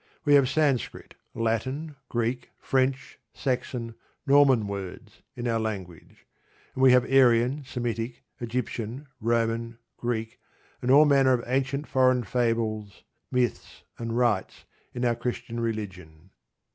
We have Sanscrit, Latin, Greek, French, Saxon, Norman words in our language; and we have Aryan, Semitic, Egyptian, Roman, Greek, and all manner of ancient foreign fables, myths, and rites in our Christian religion.